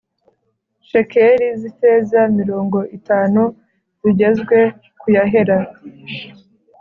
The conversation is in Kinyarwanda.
Shekeli z ifeza mirongo itanu zigezwe ku y ahera